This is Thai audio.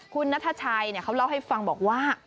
คุณนัทชัยเขาเล่าให้ฟังบอกว่า